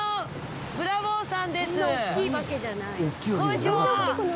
こんにちは！